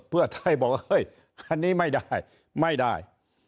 เพื่อไทยบอกเฮ้ยอันนี้ไม่ได้ไม่ได้